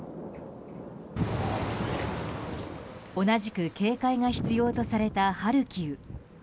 同じく警戒が必要とされたハルキウ。